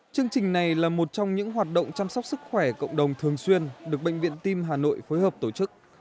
chương trình này là một trong những hoạt động chăm sóc sức khỏe cộng đồng thường xuyên được bệnh viện tim hà nội phối hợp tổ chức